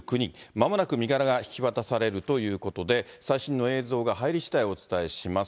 まもなく身柄が引き渡されるということで、最新の映像が入りしだい、お伝えします。